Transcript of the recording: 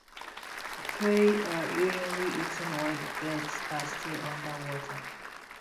Prey are usually eaten while the birds are still underwater.